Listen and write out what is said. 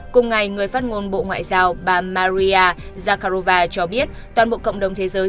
cùng ngày người phát ngôn bộ ngoại giao bà maria zakharova cho biết toàn bộ cộng đồng thế giới